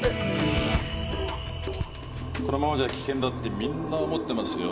このままじゃ危険だってみんな思ってますよ